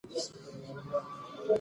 مړینه سل ځله پرې ښه او اسانه ده